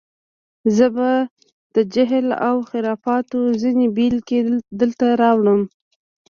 زه به د جهل و خرافاتو ځینې بېلګې دلته راوړم.